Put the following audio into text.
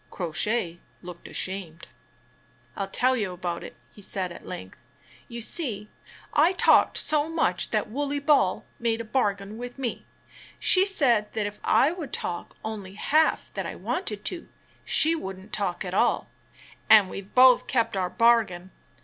Crow Shay looked ashamed. TtS a "I'll tell you about it," he said at length. "You SW^^t^ro '^^®' I talked so much that Wooley Ball made a bar gain with me. She said that if I would talk only half that I wanted to, she wouldn't talk at all, and we've both kept our bargain."